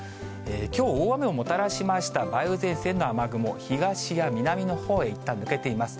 きょう大雨をもたらしました梅雨前線の雨雲、東や南のほうへいったん抜けています。